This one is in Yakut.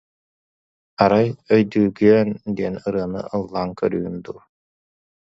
«Арай «Өйдүүгүөн» диэн ырыаны ыллаан көрүүм дуу»